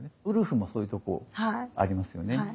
ウルフもそういうとこありますよね。